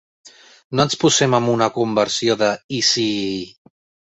No ens posem en una conversió de "i si...".